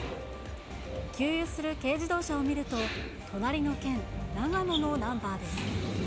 給油する軽自動車を見ると、隣の県、長野のナンバーです。